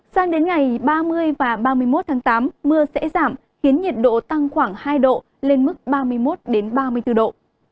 sang đến ngày ba mươi và ba mươi một tháng tám mưa sẽ giảm khiến nhiệt độ tăng khoảng hai độ lên mức ba mươi một ba mươi bốn độ